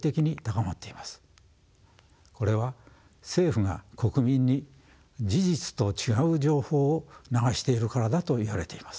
これは政府が国民に事実と違う情報を流しているからだといわれています。